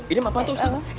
idem apa tuh ustaz